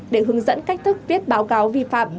để hướng dẫn cách thức viết báo cáo vi phạm